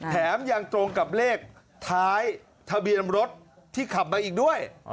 แถมยังตรงกับเลขท้ายทะเบียนรถที่ขับมาอีกด้วย